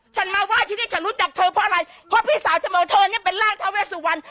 มาไหว้ที่นี่ฉันรู้จักเธอเพราะอะไรเพราะพี่สาวฉันบอกเธอเนี่ยเป็นร่างทาเวสุวรรณ